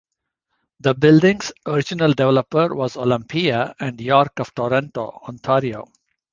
The building's original developer was Olympia and York of Toronto, Ontario.